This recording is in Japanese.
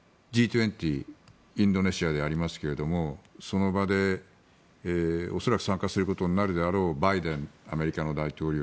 インドネシアでありますがその場で恐らく参加することになるであろうアメリカのバイデン大統領